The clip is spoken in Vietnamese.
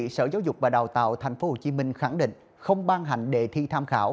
sở giáo dục và đào tạo tp hcm khẳng định không ban hành đề thi tham khảo